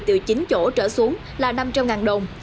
từ chín chỗ trở xuống là năm trăm linh đồng